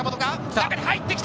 中に入ってきた！